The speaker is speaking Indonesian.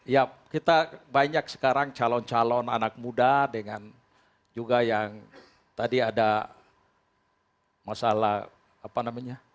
ya kita banyak sekarang calon calon anak muda dengan juga yang tadi ada masalah apa namanya